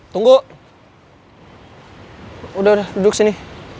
tunggu udah duduk sini